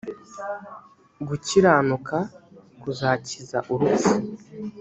gukiranuka kuzakiza urupfu